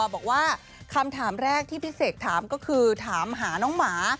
บอกว่าคำถามแรกที่พี่เสกถามก็คือถามหาน้องหมา